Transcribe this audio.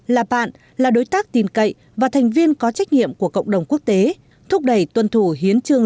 là bạn là đối tác tin cậy và thành viên có trách nhiệm của cộng đồng quốc tế thúc đẩy tuân thủ hiến trương